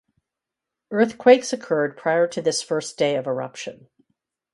Earthquakes occurred prior to this first day of eruption.